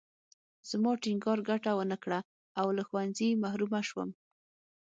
زما ټینګار ګټه ونه کړه او له ښوونځي محرومه شوم